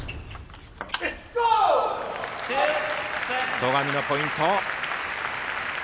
戸上のポイント。